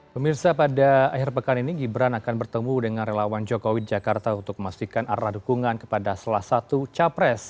pemirsa pada akhir pekan ini gibran akan bertemu dengan relawan jokowi jakarta untuk memastikan arah dukungan kepada salah satu capres